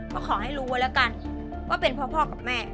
ก็ขอให้รู้ไว้แล้วกันว่าเป็นเพราะพ่อกับแม่